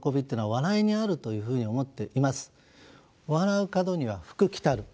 「笑う門には福来る」。